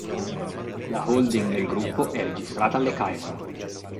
La holding del gruppo è registrata alle Cayman.